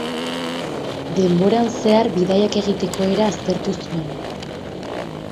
Denboran zehar bidaiak egiteko era aztertu zuen.